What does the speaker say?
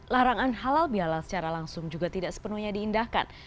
larangan halal bihalal secara langsung juga tidak sepenuhnya diindahkan